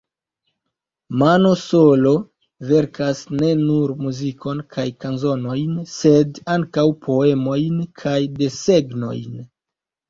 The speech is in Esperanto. Mano Solo verkas ne nur muzikon kaj kanzonojn sed ankaŭ poemojn kaj desegnojn.